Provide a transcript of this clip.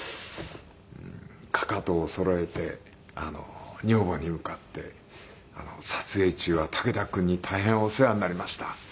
かかとをそろえて女房に向かって「撮影中は武田君に大変お世話になりました」。